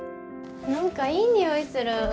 何かいい匂いする。